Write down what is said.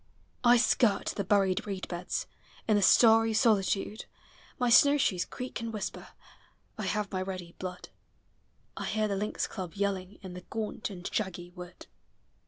I skirt the buried reed beds, In the starry solitude: My snowshoes creak and whisper, I have my ready blood. I hear the lynx club yelling In the gaunt and shaggy wood.